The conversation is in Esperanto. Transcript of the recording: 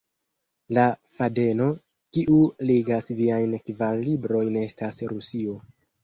La fadeno kiu ligas viajn kvar librojn estas Rusio.